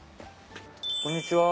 こんにちは。